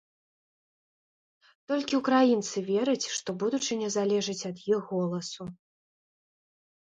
Толькі ўкраінцы вераць, што будучыня залежыць ад іх голасу.